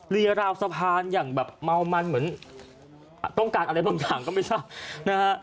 ราวสะพานอย่างแบบเมามันเหมือนต้องการอะไรบางอย่างก็ไม่ทราบนะฮะ